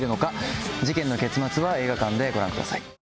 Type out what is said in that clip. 事件の結末は映画館でご覧ください。